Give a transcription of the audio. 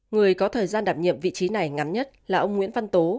người có thời gian đảm nhiệm vị trí này ngắn nhất là ông nguyễn văn tố